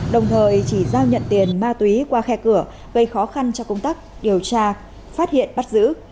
đồng thời chỉ giao nhận tiền ma túy qua khe cửa gây khó khăn cho công tác điều tra phát hiện bắt giữ